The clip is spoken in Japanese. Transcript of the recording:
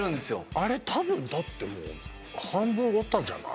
あれたぶんだってもう半分オタじゃない？